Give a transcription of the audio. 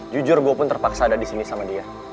jujur gue pun terpaksa ada disini sama dia